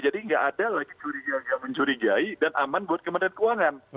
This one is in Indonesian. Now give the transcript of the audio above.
jadi tidak ada lagi curiga jaga mencurigai dan aman buat kemenangan keuangan